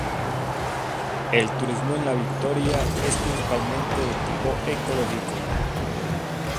El turismo en La Victoria es principalmente de tipo ecológico.